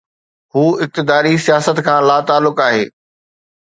هو اقتداري سياست کان لاتعلق آهي.